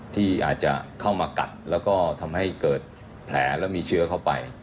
ที่อาจจะเข้ามากัดแล้วก็ทำให้เกิดแผลแล้วมีเชื้อเข้าไป